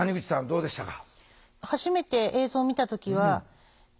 どうでしたか？